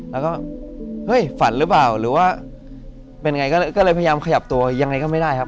แล้วก็เฮ้ยฝันหรือเปล่าหรือว่าเป็นไงก็เลยพยายามขยับตัวยังไงก็ไม่ได้ครับ